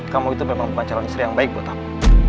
kamu itu memang pembacaran istri yang baik buat aku